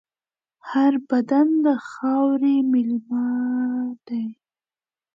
هر بدن د خاورې مېلمه دی.